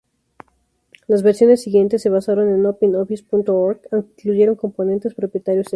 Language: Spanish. Las versiones siguientes se basaron en OpenOffice.org, aunque incluyeron componentes propietarios extra.